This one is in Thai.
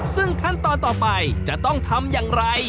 ซึ่งขั้นตอนต่อไปจะต้องทำอย่างไร